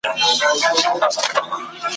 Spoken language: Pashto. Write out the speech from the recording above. خو په منځ کي دا یو سوال زه هم لرمه `